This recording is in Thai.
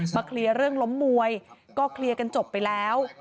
เคลียร์เรื่องล้มมวยก็เคลียร์กันจบไปแล้ว